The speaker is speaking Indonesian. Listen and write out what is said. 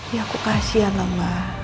ya aku kasihan lah ma